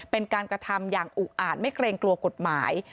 เป็นการกระทำอย่างอุอาจไม่เกรงกลัวกฎหมาย